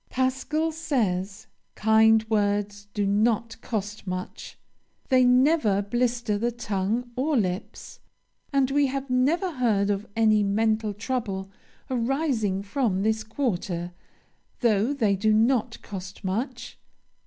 Pascal says: "Kind words do not cost much. They never blister the tongue or lips. And we have never heard of any mental trouble arising from this quarter. Though they do not cost much.